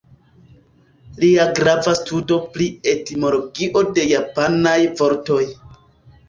Lia grava studo pri etimologio de japanaj vortoj.